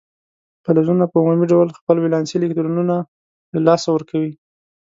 فلزونه په عمومي ډول خپل ولانسي الکترونونه له لاسه ورکوي.